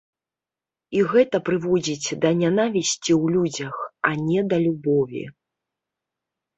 І гэта прыводзіць да нянавісці ў людзях, а не да любові.